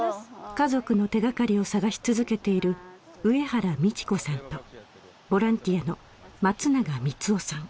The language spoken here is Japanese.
家族の手がかりを探し続けている上原美智子さんとボランティアの松永光雄さん